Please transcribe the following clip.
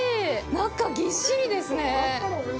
中ぎっしりですね。